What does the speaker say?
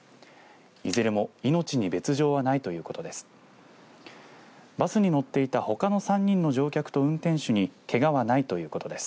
いずれも命に別状はないということです。